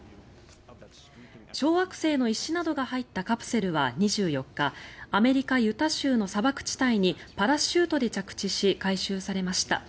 小惑星の石などが入ったカプセルは２４日アメリカ・ユタ州の砂漠地帯にパラシュートで着地し回収されました。